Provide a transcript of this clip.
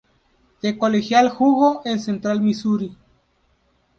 De colegial jugo en Central Missouri.